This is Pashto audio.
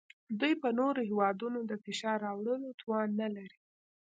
دوی په نورو هیوادونو د فشار راوړلو توان نلري